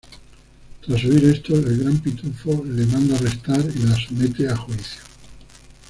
Tras oír esto, el Gran Pitufo la manda arrestar y la somete a juicio.